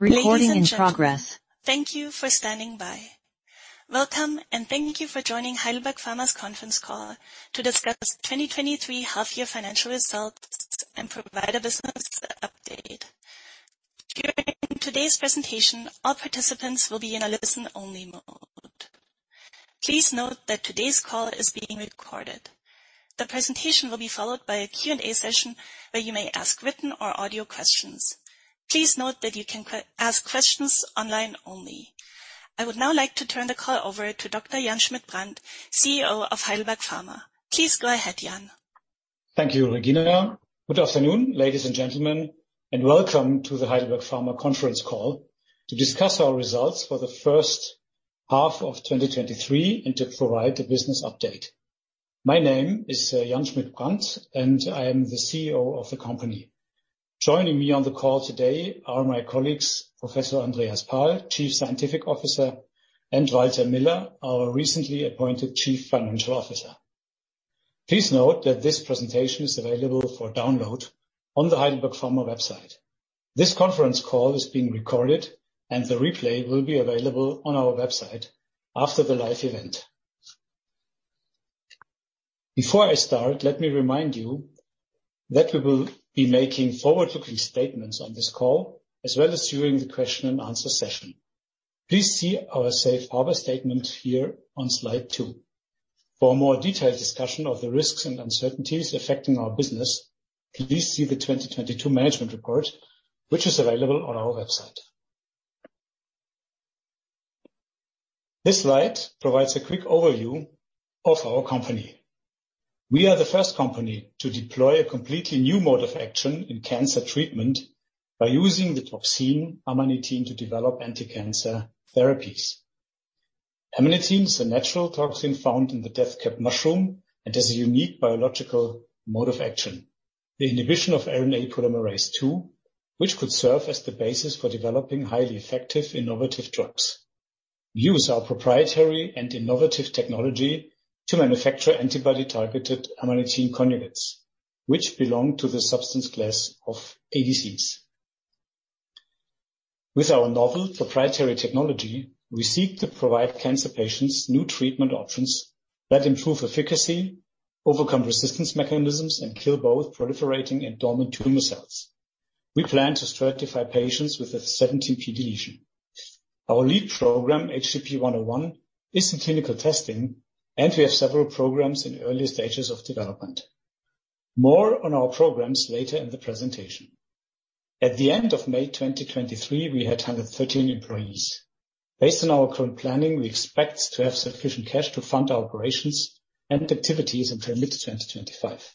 Recording in progress. Thank you for standing by. Welcome. Thank you for joining Heidelberg Pharma's conference call to discuss 2023 half-year financial results and provide a business update. During today's presentation, all participants will be in a listen-only mode. Please note that today's call is being recorded. The presentation will be followed by a Q&A session, where you may ask written or audio questions. Please note that you can ask questions online only. I would now like to turn the call over to Dr. Jan Schmidt-Brand, CEO of Heidelberg Pharma. Please go ahead, Jan. Thank you, Regina. Good afternoon, ladies and gentlemen, and welcome to the Heidelberg Pharma conference call to discuss our results for the first half of 2023 and to provide a business update. My name is Jan Schmidt-Brand, and I am the CEO of the company. Joining me on the call today are my colleagues, Professor Andreas Pahl, Chief Scientific Officer, and Walter Miller, our recently appointed Chief Financial Officer. Please note that this presentation is available for download on the Heidelberg Pharma website. This conference call is being recorded, and the replay will be available on our website after the live event. Before I start, let me remind you that we will be making forward-looking statements on this call, as well as during the question and answer session. Please see our safe harbor statement here on slide two. For a more detailed discussion of the risks and uncertainties affecting our business, please see the 2022 management report, which is available on our website. This slide provides a quick overview of our company. We are the first company to deploy a completely new mode of action in cancer treatment by using the toxin amanitin to develop anticancer therapies. Amanitin is a natural toxin found in the death cap mushroom and has a unique biological mode of action, the inhibition of RNA polymerase II, which could serve as the basis for developing highly effective, innovative drugs. We use our proprietary and innovative technology to manufacture antibody-targeted amanitin conjugates, which belong to the substance class of ADCs. With our novel proprietary technology, we seek to provide cancer patients new treatment options that improve efficacy, overcome resistance mechanisms, and kill both proliferating and dormant tumor cells. We plan to stratify patients with a 17p deletion. Our lead program, HDP-101, is in clinical testing, and we have several programs in the early stages of development. More on our programs later in the presentation. At the end of May 2023, we had 113 employees. Based on our current planning, we expect to have sufficient cash to fund our operations and activities until mid-2025.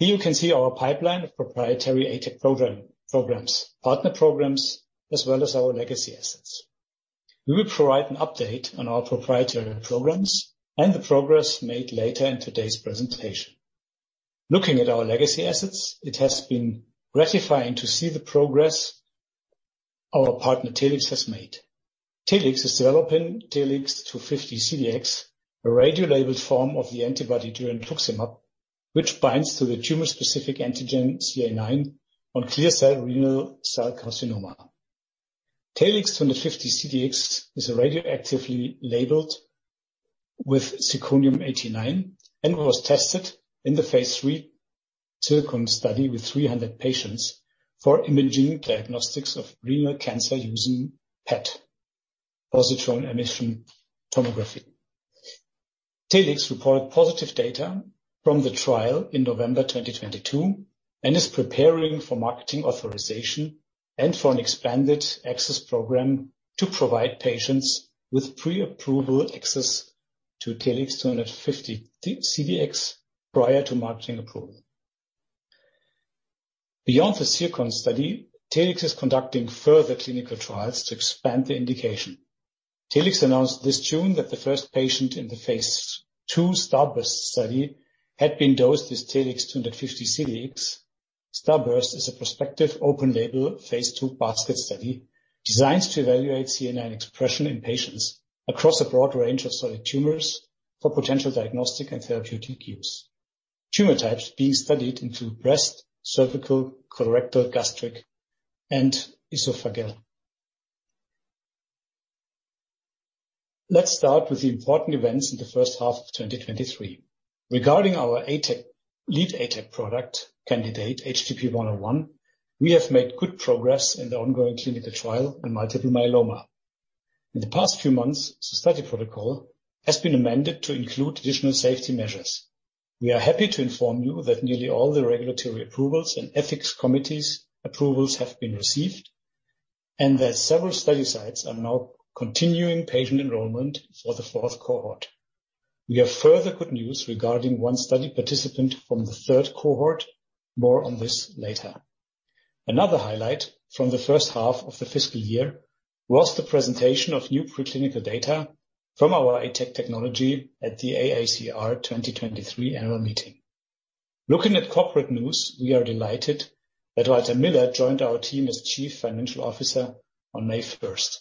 Here you can see our pipeline of proprietary ATAC programs, partner programs, as well as our legacy assets. We will provide an update on our proprietary programs and the progress made later in today's presentation. Looking at our legacy assets, it has been gratifying to see the progress our partner, Telix, has made. Telix is developing TLX250-CDx, a radiolabeled form of the antibody girentuximab, which binds to the tumor-specific antigen CAIX on clear cell renal cell carcinoma. TLX250-CDx is radiolabeled with zirconium-89 and was tested in the Phase III ZIRCON study with 300 patients for imaging diagnostics of renal cancer using PET, positron emission tomography. Telix reported positive data from the trial in November 2022 and is preparing for marketing authorization and for an expanded access program to provide patients with pre-approval access to TLX250-CDx prior to marketing approval. Beyond the ZIRCON study, Telix is conducting further clinical trials to expand the indication. Telix announced this June that the first patient in the Phase II STARBURST study had been dosed with TLX250-CDx. STARBURST is a prospective, open-label, phase 2 basket study designed to evaluate CAIX expression in patients across a broad range of solid tumors for potential diagnostic and therapeutic use. Tumor types being studied include breast, cervical, colorectal, gastric, and esophageal. Let's start with the important events in the first half of 2023. Regarding our ATAC, lead ATAC product candidate, HDP-101, we have made good progress in the ongoing clinical trial in multiple myeloma. In the past few months, the study protocol has been amended to include additional safety measures. We are happy to inform you that nearly all the regulatory approvals and ethics committees approvals have been received, and that several study sites are now continuing patient enrollment for the fourth cohort. We have further good news regarding one study participant from the third cohort. More on this later. Another highlight from the first half of the fiscal year was the presentation of new preclinical data from our ATAC technology at the AACR 2023 annual meeting. Looking at corporate news, we are delighted that Walter Miller joined our team as Chief Financial Officer on May 1st.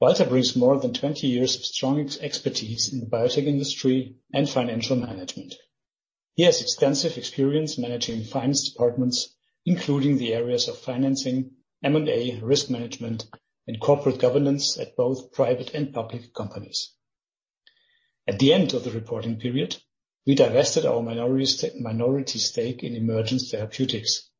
Walter brings more than 20 years of strong expertise in the biotech industry and financial management. He has extensive experience managing finance departments, including the areas of financing, M&A, risk management, and corporate governance at both private and public companies. At the end of the reporting period, we divested our minority stake in Emergence Therapeutics.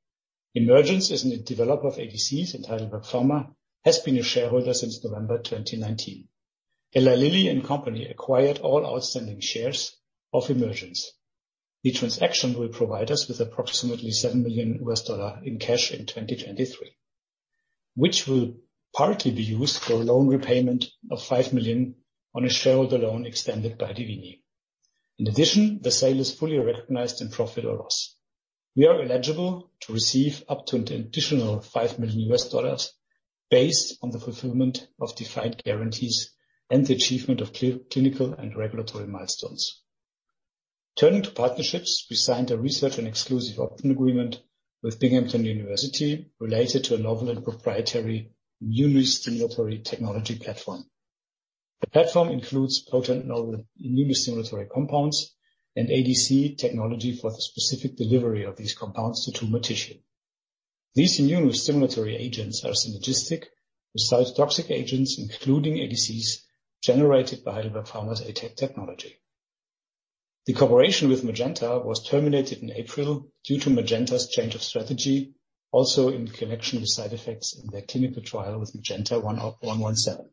Emergence is a developer of ADCs. Heidelberg Pharma has been a shareholder since November 2019. Eli Lilly and Company acquired all outstanding shares of Emergence. The transaction will provide us with approximately $7 million in cash in 2023, which will partly be used for a loan repayment of $5 million on a share of the loan extended by dievini. In addition, the sale is fully recognized in profit or loss. We are eligible to receive up to an additional $5 million based on the fulfillment of defined guarantees and the achievement of clinical and regulatory milestones. Turning to partnerships, we signed a research and exclusive option agreement with Binghamton University related to a novel and proprietary immune stimulatory technology platform. The platform includes potent novel immune stimulatory compounds and ADC technology for the specific delivery of these compounds to tumor tissue. These immune stimulatory agents are synergistic with cytotoxic agents, including ADCs, generated by Heidelberg Pharma's ATAC technology. The cooperation with Magenta was terminated in April due to Magenta's change of strategy, also in connection with side effects in their clinical trial with Magenta 117.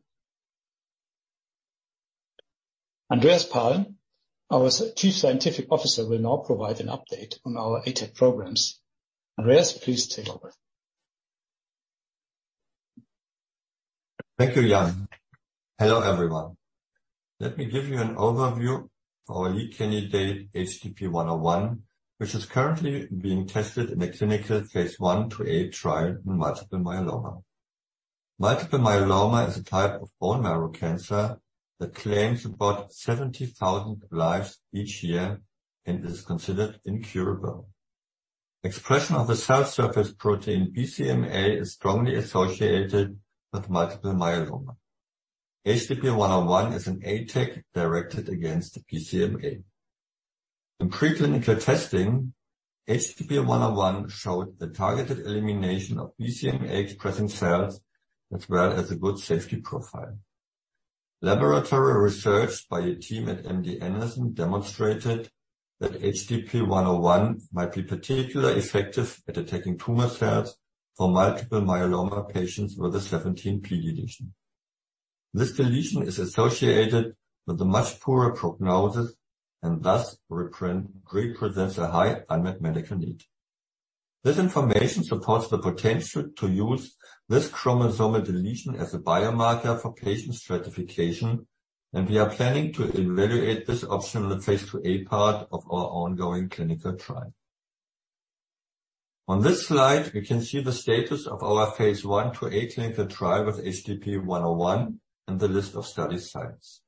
Andreas Pahl, our Chief Scientific Officer, will now provide an update on our ATAC programs. Andreas, please take over. Thank you, Jan. Hello, everyone. Let me give you an overview of our lead candidate, HDP-101, which is currently being tested in a clinical Phase I/II-A trial in multiple myeloma. Multiple myeloma is a type of bone marrow cancer that claims about 70,000 lives each year and is considered incurable. Expression of the cell surface protein BCMA is strongly associated with multiple myeloma. HDP-101 is an ATAC directed against BCMA. In preclinical testing, HDP-101 showed the targeted elimination of BCMA-expressing cells, as well as a good safety profile. Laboratory research by a team at MD Anderson demonstrated that HDP-101 might be particularly effective at attacking tumor cells for multiple myeloma patients with a 17p deletion. This deletion is associated with a much poorer prognosis and thus represents a high unmet medical need. This information supports the potential to use this chromosomal deletion as a biomarker for patient stratification. We are planning to evaluate this option in the Phase II-A part of our ongoing clinical trial. On this slide, we can see the status of our Phase I/II-A clinical trial with HDP-101 and the list of study sites.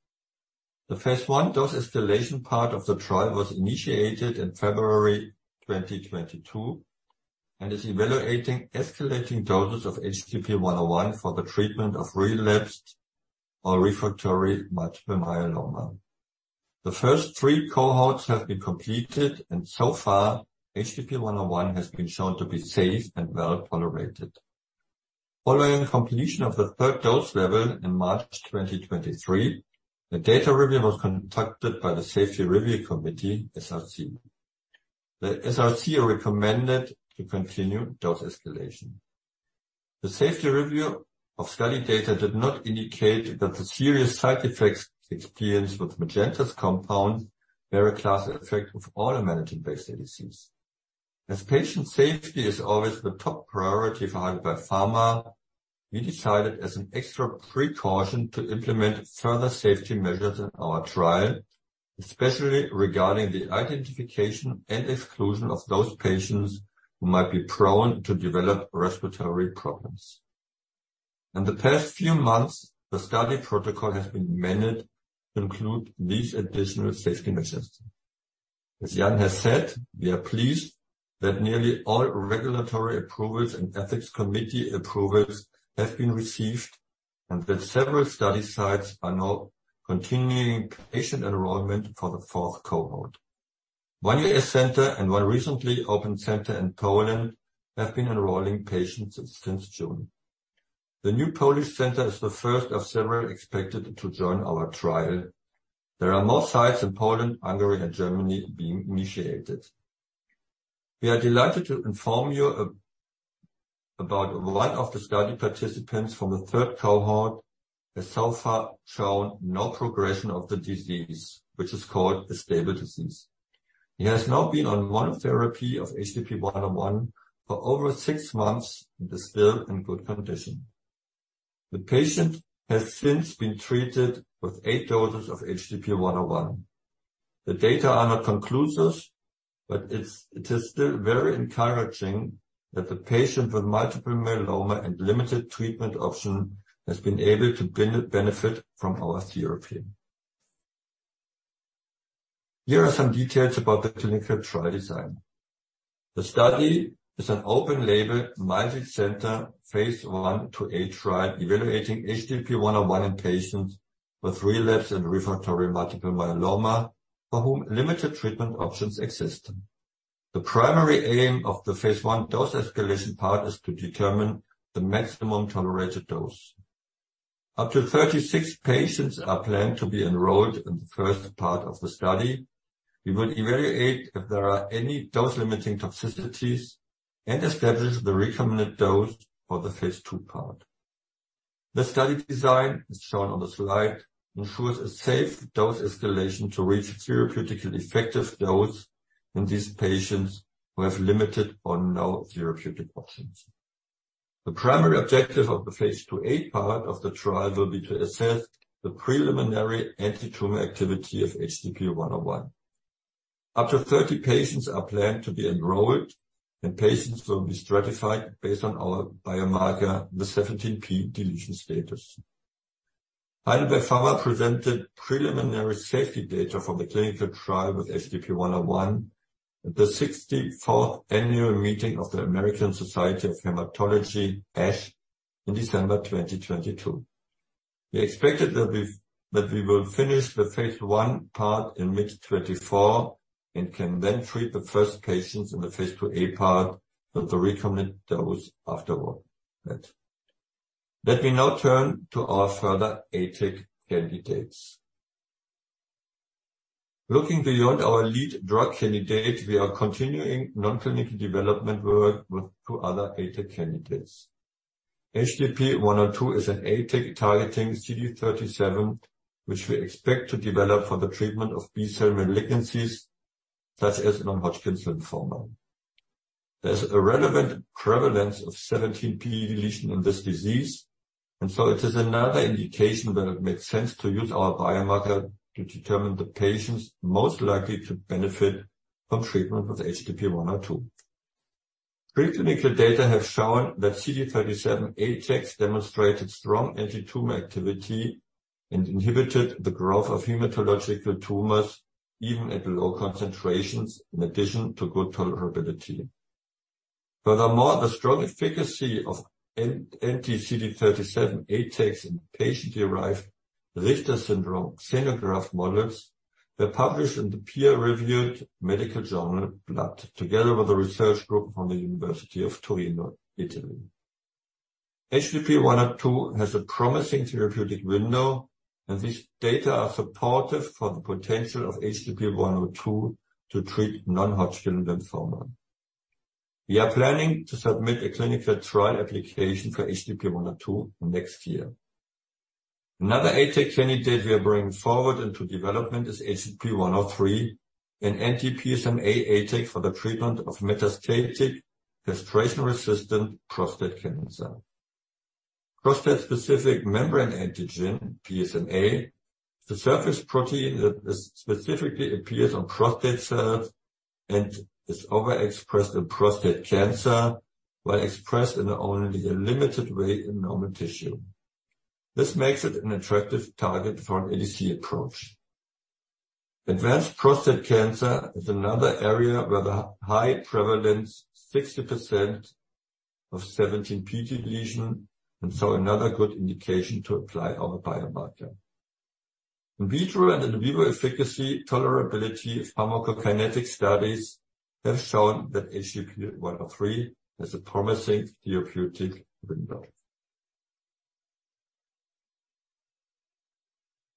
The Phase I dose escalation part of the trial was initiated in February 2022 and is evaluating escalating doses of HDP-101 for the treatment of relapsed or refractory multiple myeloma. The first three cohorts have been completed. So far, HDP-101 has been shown to be safe and well-tolerated. Following the completion of the third dose level in March 2023, the data review was conducted by the Safety Review Committee, SRC. The SRC recommended to continue dose escalation. The safety review of study data did not indicate that the serious side effects experienced with Magenta's compound were a class effect of all maytansine-based ADCs. As patient safety is always the top priority for Heidelberg Pharma, we decided as an extra precaution to implement further safety measures in our trial, especially regarding the identification and exclusion of those patients who might be prone to develop respiratory problems. In the past few months, the study protocol has been amended to include these additional safety measures. As Jan has said, we are pleased that nearly all regulatory approvals and ethics committee approvals have been received and that several study sites are now continuing patient enrollment for the fourth cohort. One U.S. center and one recently opened center in Poland have been enrolling patients since June. The new Polish center is the first of several expected to join our trial. There are more sites in Poland, Hungary, and Germany being initiated. We are delighted to inform you about one of the study participants from the third cohort has so far shown no progression of the disease, which is called a stable disease. He has now been on one therapy of HDP-101 for over six months and is still in good condition. The patient has since been treated with eight doses of HDP-101. The data are not conclusive, but it is still very encouraging that the patient with multiple myeloma and limited treatment option has been able to benefit from our therapy. Here are some details about the clinical trial design. The study is an open-label, multi-center, phase I/II-A trial evaluating HDP-101 in patients with relapsed and refractory multiple myeloma for whom limited treatment options exist. The primary aim of the phase I dose-escalation part is to determine the maximum tolerated dose. Up to 36 patients are planned to be enrolled in the first part of the study. We will evaluate if there are any dose-limiting toxicities and establish the recommended dose for the phase II part. The study design, as shown on the slide, ensures a safe dose escalation to reach therapeutically effective dose in these patients who have limited or no therapeutic options. The primary objective of the phase II-A part of the trial will be to assess the preliminary antitumor activity of HDP-101. Up to 30 patients are planned to be enrolled, and patients will be stratified based on our biomarker, the 17p deletion status. Heidelberg Pharma presented preliminary safety data from the clinical trial with HDP-101 at the 64th Annual Meeting of the American Society of Hematology, ASH, in December 2022. We expected that we will finish the phase I part in mid-2024 and can then treat the first patients in the phase II-A part with the recommended dose afterward. Let me now turn to our further ATAC candidates. Looking beyond our lead drug candidate, we are continuing non-clinical development work with two other ATAC candidates. HDP-102 is an ATAC targeting CD37, which we expect to develop for the treatment of B-cell malignancies, such as non-Hodgkin lymphoma. It is another indication that it makes sense to use our biomarker to determine the patients most likely to benefit from treatment with HDP-102. Preclinical data have shown that CD37 ATACs demonstrated strong antitumor activity and inhibited the growth of hematological tumors, even at low concentrations, in addition to good tolerability. The strong efficacy of anti-CD37 ATACs in patient-derived Richter syndrome xenograft models were published in the peer-reviewed medical journal, Blood, together with a research group from the University of Torino, Italy. HDP-102 has a promising therapeutic window. These data are supportive for the potential of HDP-102 to treat non-Hodgkin lymphoma. We are planning to submit a clinical trial application for HDP-102 next year. Another ATAC candidate we are bringing forward into development is HDP-103, an anti-PSMA ATAC for the treatment of metastatic castration-resistant prostate cancer. Prostate-specific membrane antigen, PSMA, is a surface protein that specifically appears on prostate cells and is overexpressed in prostate cancer, while expressed in only a limited way in normal tissue. This makes it an attractive target for an ADC approach. Advanced prostate cancer is another area where the high prevalence, 60% of 17p deletion, another good indication to apply our biomarker. In vitro and in vivo efficacy tolerability pharmacokinetic studies have shown that HDP-103 has a promising therapeutic window.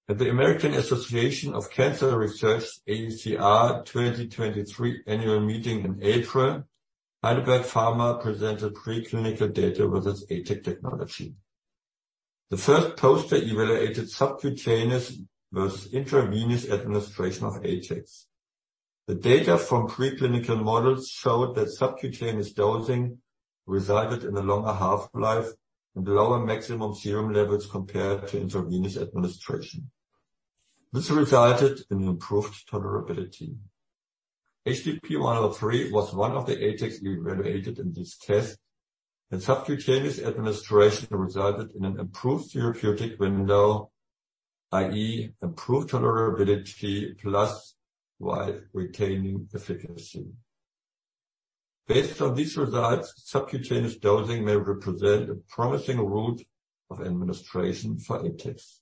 At the American Association for Cancer Research, AACR, 2023 annual meeting in April, Heidelberg Pharma presented preclinical data with its ATAC technology. The first poster evaluated subcutaneous versus intravenous administration of ATACs. The data from preclinical models showed that subcutaneous dosing resulted in a longer half-life and lower maximum serum levels compared to intravenous administration. This resulted in improved tolerability. HDP-103 was one of the ATACs evaluated in this test, subcutaneous administration resulted in an improved therapeutic window, i.e., improved tolerability plus while retaining efficacy. Based on these results, subcutaneous dosing may represent a promising route of administration for ATACs.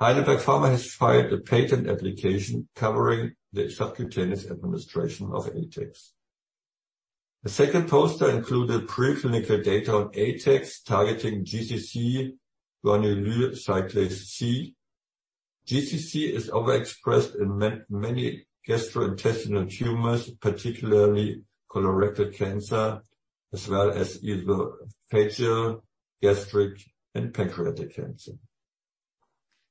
Heidelberg Pharma has filed a patent application covering the subcutaneous administration of ATACs. The second poster included preclinical data on ATACs targeting GCC, guanylyl cyclase C. GCC is overexpressed in many gastrointestinal tumors, particularly colorectal cancer, as well as esophageal, gastric, and pancreatic cancer.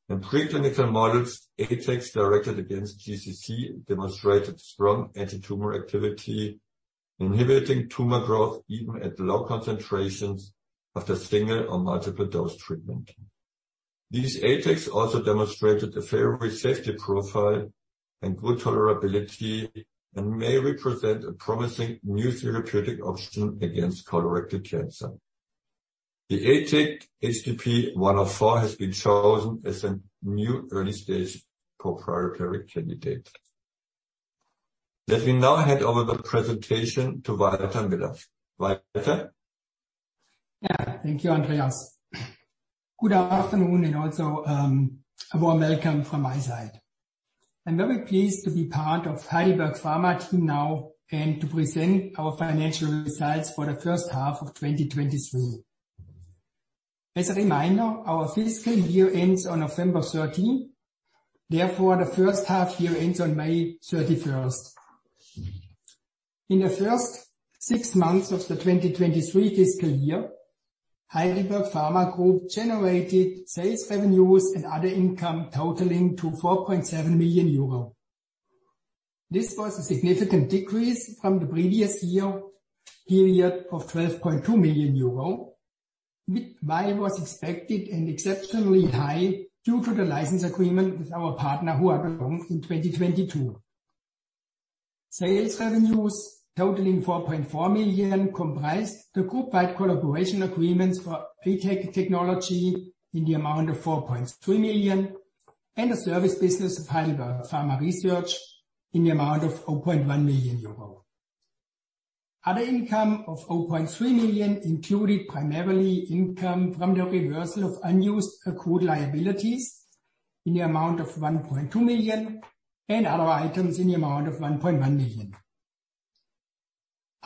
In preclinical models, ATACs directed against GCC demonstrated strong antitumor activity, inhibiting tumor growth even at low concentrations after single or multiple dose treatment. These ATACs also demonstrated a favorable safety profile and good tolerability, and may represent a promising new therapeutic option against colorectal cancer. The ATAC HDP-104 has been chosen as a new early stage proprietary candidate. Let me now hand over the presentation to Walter Miller. Walter? Yeah, thank you, Andreas. Good afternoon, and also, a warm welcome from my side. I'm very pleased to be part of Heidelberg Pharma team now, and to present our financial results for the first half of 2023. As a reminder, our fiscal year ends on November 13th, therefore, the first half year ends on May 31st. In the first six months of the 2023 fiscal year, Heidelberg Pharma Group generated sales revenues and other income totaling to 4.7 million euro. This was a significant decrease from the previous year period of 12.2 million euro, which, while was expected and exceptionally high, due to the license agreement with our partner, Huadong, in 2022. Sales revenues totaling 4.4 million, comprised the group-wide collaboration agreements for [ATAC] technology in the amount of 4.3 million, and the service business of Heidelberg Pharma Research in the amount of 0.1 million euro. Other income of 0.3 million included primarily income from the reversal of unused accrued liabilities in the amount of 1.2 million, and other items in the amount of 1.1 million.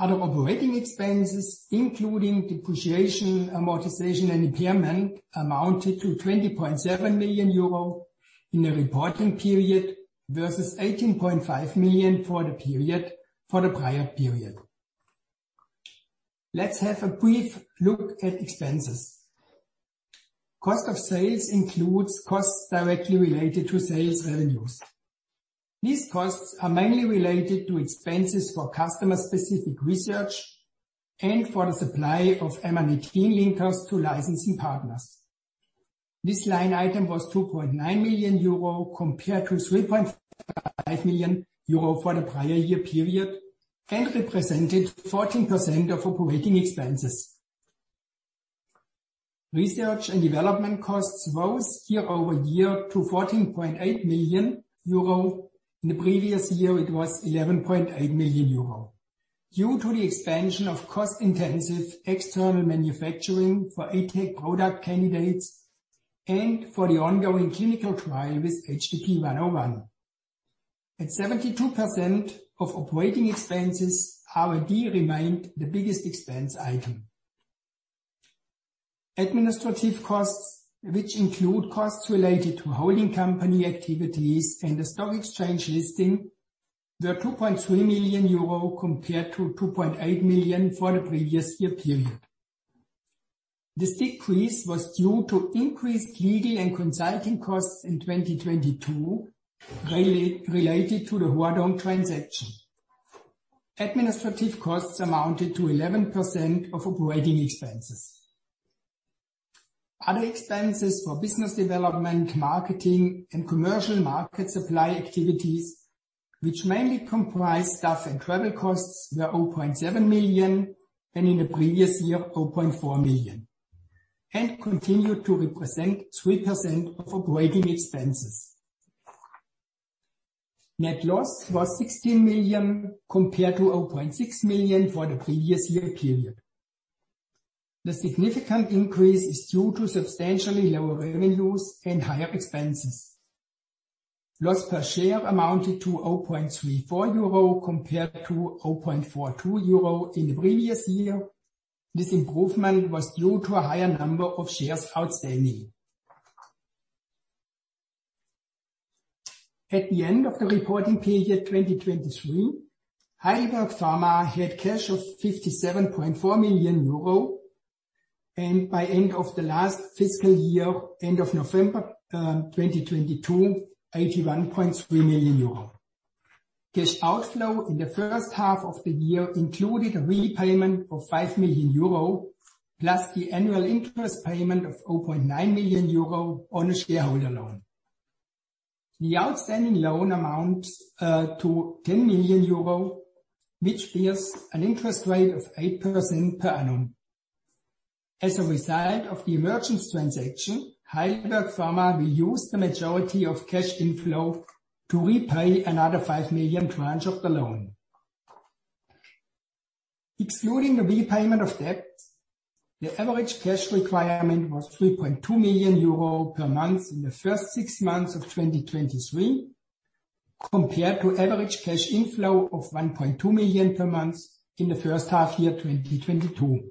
Other operating expenses, including depreciation, amortization, and impairment, amounted to 20.7 million euro in the reporting period, versus 18.5 million for the prior period. Let's have a brief look at expenses. Cost of sales includes costs directly related to sales revenues. These costs are mainly related to expenses for customer-specific research and for the supply of amanitin linkers to licensing partners. This line item was 2.9 million euro, compared to 3.5 million euro for the prior year period, represented 14% of operating expenses. Research and development costs rose year-over-year to 14.8 million euro. In the previous year, it was 11.8 million euro. Due to the expansion of cost-intensive external manufacturing for ATAC product candidates and for the ongoing clinical trial with HDP-101. At 72% of operating expenses, R&D remained the biggest expense item. Administrative costs, which include costs related to holding company activities and the stock exchange listing, were 2.3 million euro, compared to 2.8 million for the previous year period. This decrease was due to increased legal and consulting costs in 2022, related to the Huadong transaction. Administrative costs amounted to 11% of operating expenses. Other expenses for business development, marketing, and commercial market supply activities, which mainly comprise staff and travel costs, were 0.7 million, and in the previous year, 0.4 million, and continued to represent 3% of operating expenses. Net loss was 16 million, compared to 0.6 million for the previous year period. The significant increase is due to substantially lower revenues and higher expenses. Loss per share amounted to 0.34 euro, compared to 0.42 euro in the previous year. This improvement was due to a higher number of shares outstanding. At the end of the reporting period, 2023, Heidelberg Pharma had cash of 57.4 million euro, and by end of the last fiscal year, end of November, 2022, 81.3 million euro. Cash outflow in the first half of the year included a repayment of 5 million euro, plus the annual interest payment of 0.9 million euro on a shareholder loan. The outstanding loan amounts to 10 million euro, which bears an interest rate of 8% per annum. As a result of the Emergence transaction, Heidelberg Pharma will use the majority of cash inflow to repay another 5 million tranche of the loan. Excluding the repayment of debt, the average cash requirement was 3.2 million euro per month in the first six months of 2023, compared to average cash inflow of 1.2 million per month in the first half year, 2022.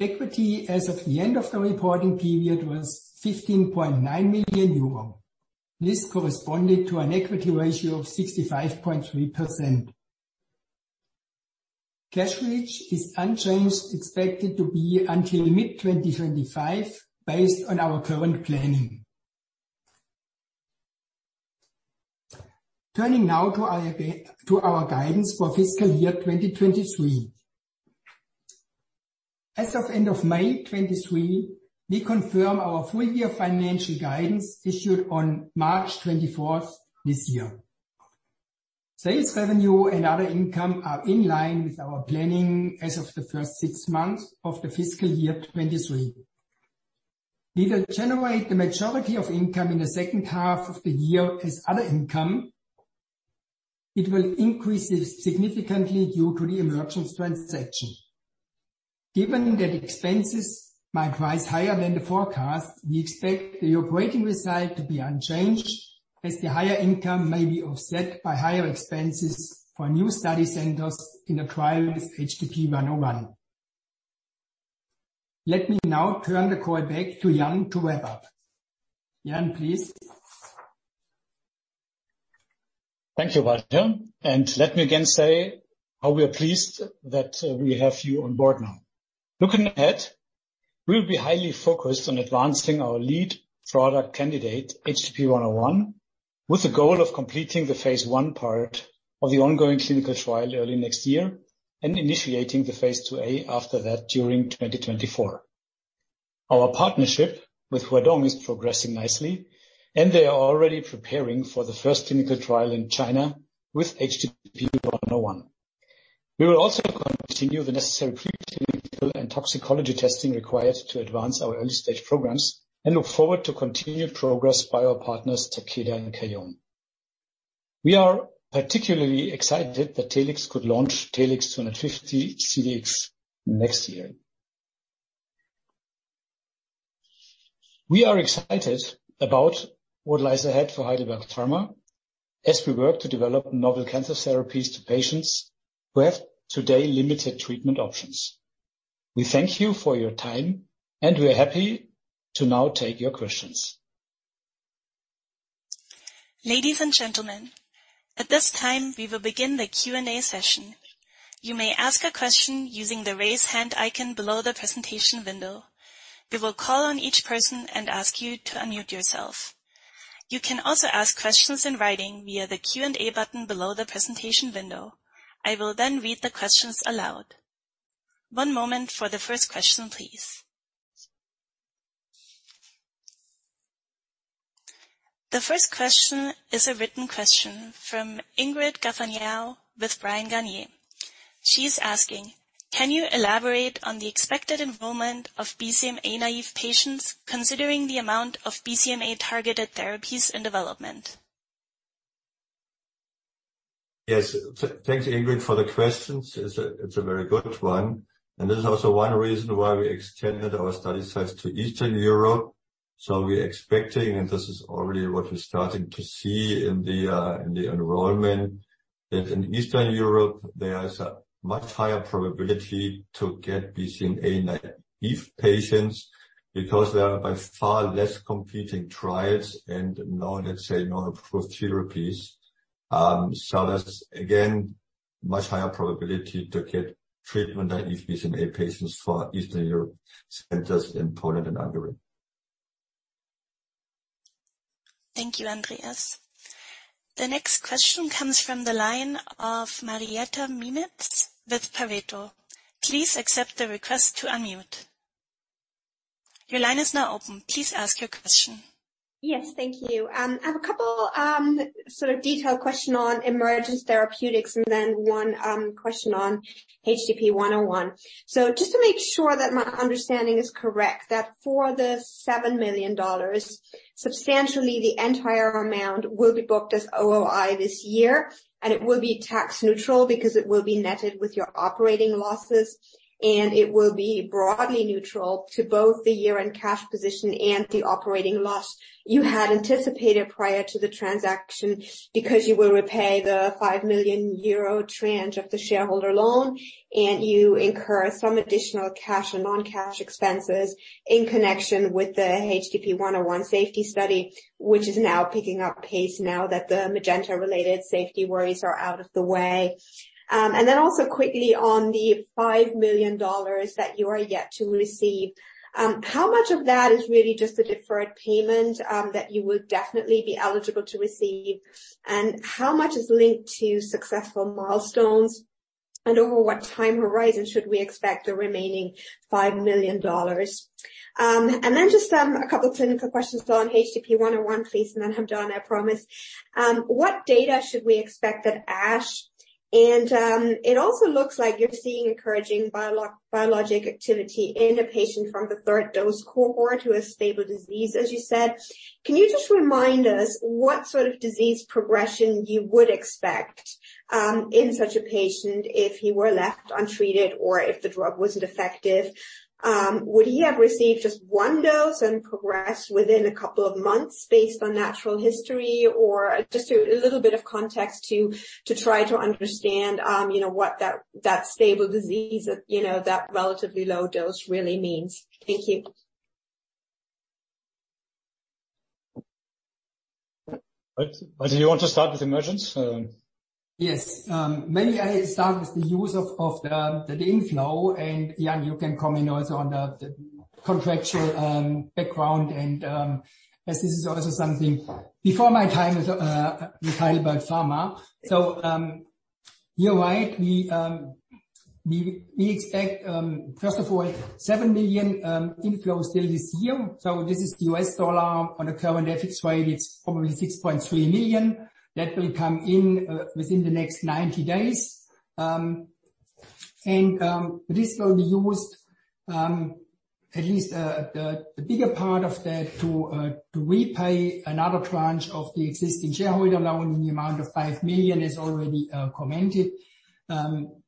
Equity, as of the end of the reporting period, was 15.9 million euro. This corresponded to an equity ratio of 65.3%. Cash reach is unchanged, expected to be until mid-2025, based on our current planning. Turning now to our guide, to our guidance for fiscal year 2023. As of end of May 2023, we confirm our full year financial guidance issued on March 24th this year. Sales revenue and other income are in line with our planning as of the first six months of the fiscal year 2023. We will generate the majority of income in the second half of the year as other income, it will increase significantly due to the Emergence transaction. Given that expenses might rise higher than the forecast, we expect the operating result to be unchanged, as the higher income may be offset by higher expenses for new study centers in a trial with HDP-101. Let me now turn the call back to Jan to wrap up. Jan, please. Thank you, Walter, and let me again say how we are pleased that we have you on board now. Looking ahead, we'll be highly focused on advancing our lead product candidate, HDP-101, with the goal of completing the phase I part of the ongoing clinical trial early next year and initiating the phase II-A after that during 2024. Our partnership with Huadong is progressing nicely, and they are already preparing for the first clinical trial in China with HDP-101. We will also continue the necessary preclinical and toxicology testing required to advance our early-stage programs and look forward to continued progress by our partners, Takeda and. We are particularly excited that Telix could launch TLX250-CDx next year. We are excited about what lies ahead for Heidelberg Pharma as we work to develop novel cancer therapies to patients who have today limited treatment options. We thank you for your time, and we are happy to now take your questions. Ladies and gentlemen, at this time, we will begin the Q&A session. You may ask a question using the raise hand icon below the presentation window. We will call on each person and ask you to unmute yourself. You can also ask questions in writing via the Q&A button below the presentation window. I will then read the questions aloud. One moment for the first question, please. The first question is a written question from Ingrid Gafanhão with Bryan, Garnier. She's asking: Can you elaborate on the expected enrollment of BCMA-naive patients, considering the amount of BCMA-targeted therapies in development? Yes. Thanks, Ingrid, for the questions. It's a very good one, and this is also one reason why we extended our study sites to Eastern Europe. We're expecting, and this is already what we're starting to see in the enrollment, that in Eastern Europe, there is a much higher probability to get BCMA-naive patients because there are by far less competing trials and no, let's say, no approved therapies. There's again, much higher probability to get treatment-naive BCMA patients for Eastern Europe centers in Poland and Hungary. Thank you, Andreas. The next question comes from the line of Marietta Miemietz with Pareto. Please accept the request to unmute. Your line is now open. Please ask your question. Yes, thank you. I have a couple, sort of detailed question on Emergence Therapeutics and then one, question on HDP-101. Just to make sure that my understanding is correct, that for the $7 million, substantially the entire amount will be booked as OOI this year, and it will be tax neutral because it will be netted with your operating losses, and it will be broadly neutral to both the year-end cash position and the operating loss you had anticipated prior to the transaction, because you will repay the 5 million euro tranche of the shareholder loan, and you incur some additional cash and non-cash expenses in connection with the HDP-101 safety study, which is now picking up pace now that the Magenta-related safety worries are out of the way. Also quickly on the $5 million that you are yet to receive, how much of that is really just a deferred payment that you would definitely be eligible to receive? How much is linked to successful milestones, and over what time horizon should we expect the remaining $5 million? Just a couple of clinical questions on HDP-101, please, then I'm done, I promise. What data should we expect at ASH? It also looks like you're seeing encouraging biologic activity in a patient from the third dose cohort who has stable disease, as you said. Can you just remind us what sort of disease progression you would expect in such a patient if he were left untreated or if the drug wasn't effective? Would he have received just one dose and progressed within a couple of months based on natural history? Just a little bit of context to try to understand, you know, what that stable disease, you know, that relatively low dose really means? Thank you. Walter, do you want to start with Emergence? Yes. Maybe I start with the use of the link flow, Jan, you can comment also on the contractual background and, as this is also something before my time with Heidelberg Pharma. You're right, we expect, first of all, $7 million inflows still this year. This is U.S. dollar. On the current FX rate, it's probably $6.3 million. That will come in within the next 90 days. This will be used, at least, the bigger part of that to repay another tranche of the existing shareholder loan in the amount of $5 million, as already commented, when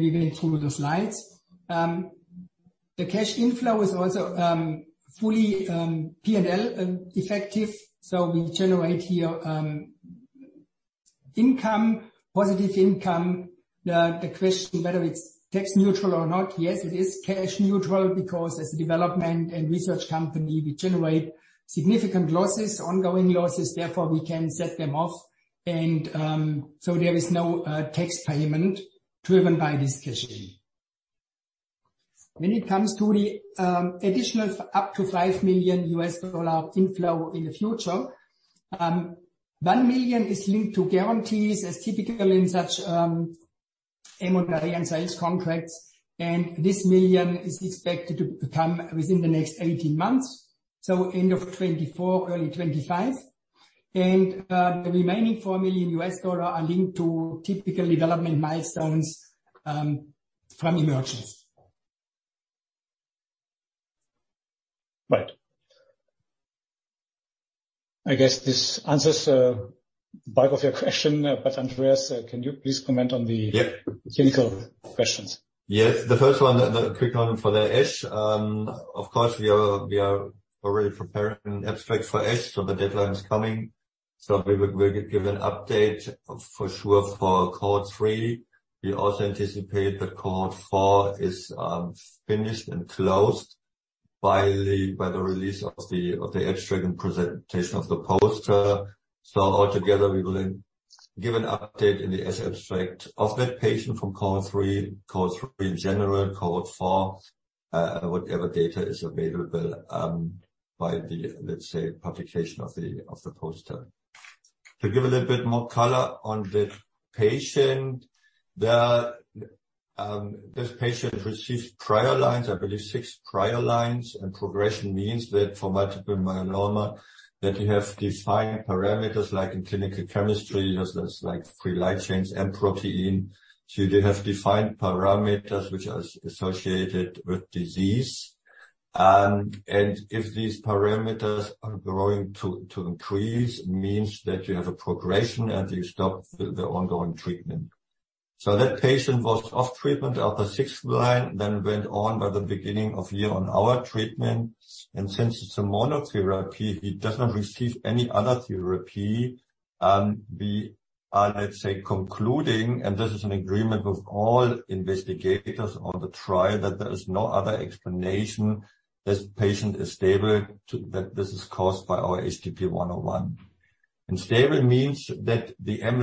we went through the slides. The cash inflow is also fully P&L effective, we generate here income, positive income. The question whether it's tax neutral or not, yes, it is cash neutral because as a development and research company, we generate significant losses, ongoing losses, therefore, we can set them off. There is no tax payment driven by this cash flow. When it comes to the additional up to $5 million inflow in the future, $1 million is linked to guarantees, as typical in such M&A and sales contracts, and this million is expected to come within the next 18 months, so end of 2024, early 2025. The remaining $4 million are linked to typical development milestones from Emergence Therapeutics. Right. I guess this answers, bulk of your question, but Andreas, can you please comment on. Yeah. Clinical questions? Yes. The first one, and a quick one for the ASH. Of course, we are already preparing an abstract for ASH, the deadline is coming. We will give an update for sure, for cohort three. We also anticipate that cohort four is finished and closed by the release of the abstract and presentation of the poster. Altogether, we will then give an update in the abstract of that patient from cohort three, cohort three in general, cohort four, whatever data is available by the, let's say, publication of the poster. To give a little bit more color on the patient, this patient received prior lines, I believe six prior lines. Progression means that for multiple myeloma, that you have defined parameters, like in clinical chemistry, you have this, like, free light chains and protein. You did have defined parameters which are associated with disease. If these parameters are going to increase, means that you have a progression and you stop the ongoing treatment. That patient was off treatment after sixth line, then went on by the beginning of year on our treatment, and since it's a monotherapy, he does not receive any other therapy. We are, let's say, concluding, and this is an agreement with all investigators on the trial, that there is no other explanation. This patient is stable. That this is caused by our HDP-101. Stable means that the M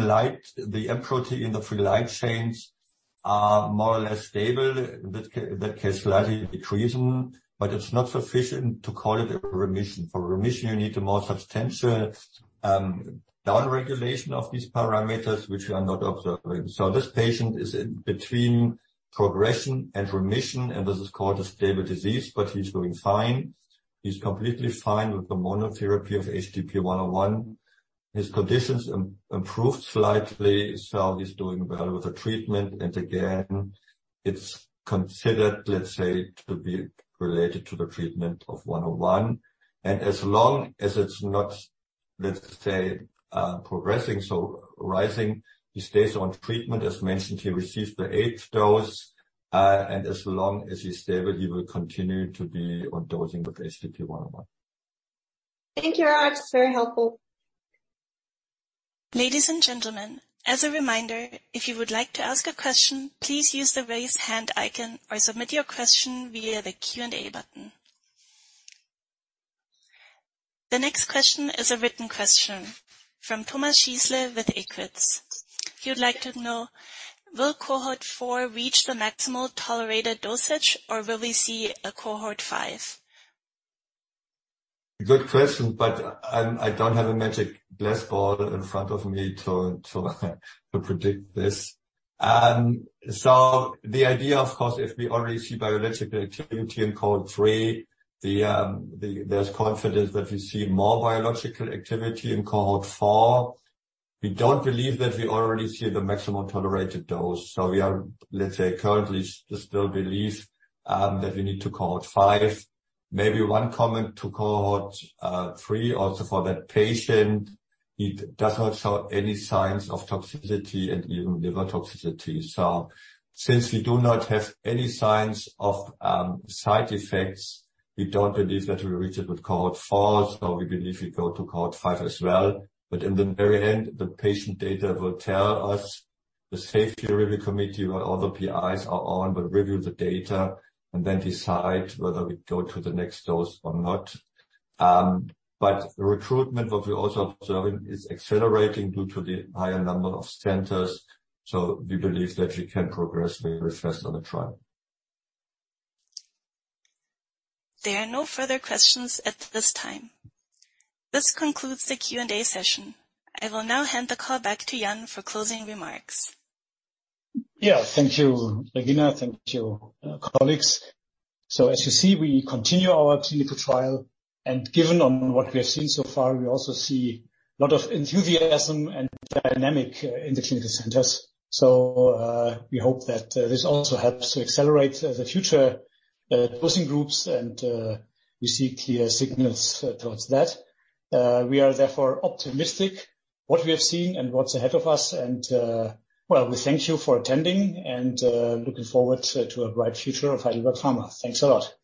protein in the free light chains are more or less stable. That case slightly decreasing, but it's not sufficient to call it a remission. For remission, you need a more substantial downregulation of these parameters, which we are not observing. This patient is in between progression and remission, and this is called a stable disease, but he's doing fine. He's completely fine with the monotherapy of HDP-101. His conditions improved slightly, so he's doing well with the treatment. Again, it's considered, let's say, to be related to the treatment of 101. As long as it's not, let's say, progressing, so rising, he stays on treatment. As mentioned, he receives the eighth dose, and as long as he's stable, he will continue to be on dosing with HDP-101. Thank you, guys. It's very helpful. Ladies and gentlemen, as a reminder, if you would like to ask a question, please use the raise hand icon or submit your question via the Q&A button. The next question is a written question from Thomas Schießle with EQUI.TS. He would like to know, "Will cohort four reach the maximal tolerated dosage, or will we see a cohort five?" Good question, but I don't have a magic glass ball in front of me to predict this. The idea, of course, if we already see biological activity in cohort three, there's confidence that we see more biological activity in cohort four. We don't believe that we already see the maximum tolerated dose, so we are currently still believe that we need to cohort five. Maybe one comment to cohort three, also for that patient, it does not show any signs of toxicity and even liver toxicity. Since we do not have any signs of side effects, we don't believe that we reach it with cohort four, so we believe we go to cohort five as well. In the very end, the patient data will tell us. The Safety Review Committee, where all the PIs are on, will review the data and then decide whether we go to the next dose or not. The recruitment, what we're also observing, is accelerating due to the higher number of centers, we believe that we can progress very fast on the trial. There are no further questions at this time. This concludes the Q&A session. I will now hand the call back to Jan for closing remarks. Yeah, thank you, Regina. Thank you, colleagues. We continue our clinical trial, and given on what we have seen so far, we also see a lot of enthusiasm and dynamic in the clinical centers. We hope that this also helps to accelerate the future dosing groups, and we see clear signals towards that. We are therefore optimistic what we have seen and what's ahead of us, and, well, we thank you for attending and looking forward to a bright future of Heidelberg Pharma. Thanks a lot!